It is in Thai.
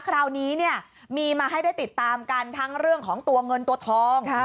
คราวนี้เนี่ยมีมาให้ได้ติดตามกันทั้งเรื่องของตัวเงินตัวทอง